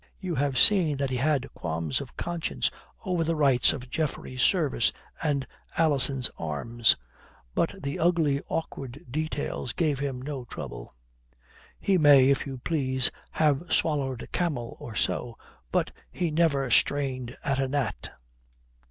You have seen that he had qualms of conscience over the rights of Geoffrey's service and Alison's arms. But the ugly, awkward details gave him no trouble. He may, if you please, have swallowed a camel or so, but he never strained at a gnat.